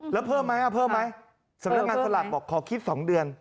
แล้วเพิ่มไหมสำนักงานสลับบอกขอคิด๒เดือน